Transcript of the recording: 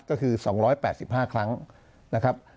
ก็คือสองร้อยแปดสิบห้าครั้งนะครับ